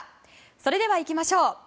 それではいきましょう。